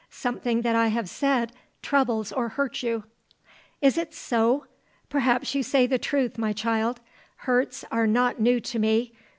"Something that I have said troubles or hurts you." "Is it so? Perhaps you say the truth, my child. Hurts are not new to me.